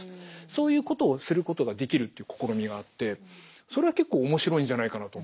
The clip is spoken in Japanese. そういうことをすることができるっていう試みがあってそれは結構面白いんじゃないかなと。